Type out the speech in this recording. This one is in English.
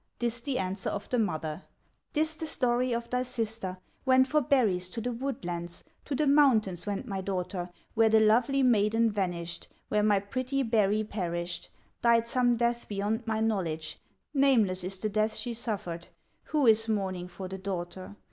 This the answer of the mother: "This the story of thy sister: Went for berries to the woodlands, To the mountains went my daughter, Where the lovely maiden vanished, Where my pretty berry perished, Died some death beyond my knowledge, Nameless is the death she suffered. Who is mourning for the daughter?